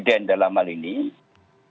dan saya juga ingin mengucapkan kepada anda